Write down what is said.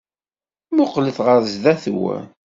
Mmuqqlet ɣer sdat-wen.